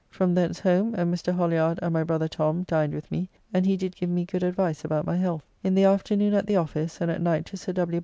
From thence home, and Mr. Holliard and my brother Tom dined with me, and he did give me good advice about my health. In the afternoon at the office, and at night to Sir W.